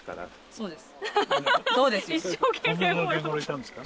そうです。